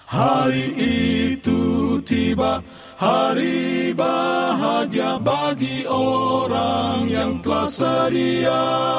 hari itu tiba hari bahagia bagi orang yang telah sedia